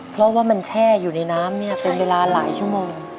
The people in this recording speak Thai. เพราะว่ามันแช่อยู่ในน้ำเป็นเวลาหลายชั่วโมง